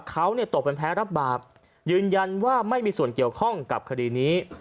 เขาตกเป็นแพ้รับบาปยืนยันว่าไม่มีส่วนเกี่ยวข้องกับคดีนี้